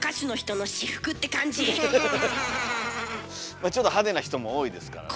まあちょっと派手な人も多いですからね。